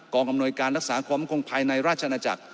อำนวยการรักษาความคงภายในราชนาจักร